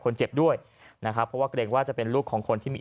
คนเจ็บด้วยนะครับเพราะว่าเกรงว่าจะเป็นลูกของคนที่มี